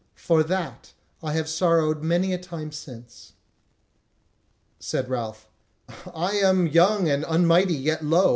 For that I have sorrowed many a time since." Said Ralph: "I am young and unmighty, yet lo!